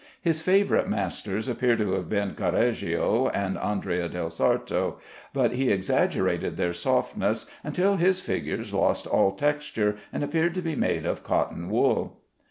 His favorite masters appear to have been Correggio and Andrea del Sarto, but he exaggerated their softness until his figures lost all texture and appeared to be made of cotton wool.